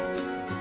lalu dia nyaman